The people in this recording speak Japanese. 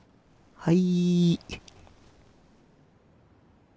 はい。